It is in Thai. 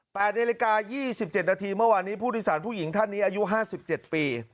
แปดในละกา๒๗นาทีเมื่อวานนี้ผู้ที่สารผู้หญิงท่านนี้อายุ๕๗ปี